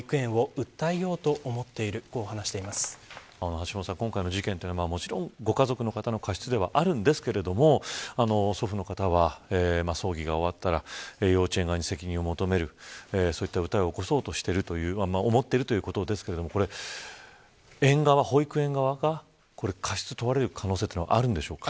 橋下さん、今回の事件はもちろんご家族の方の過失ではあるんですが祖父の方は、葬儀が終わったら幼稚園側に責任を求めるそういった訴えを起こそうと思っているということですが保育園側が過失を問われる可能性はあるんでしょうか。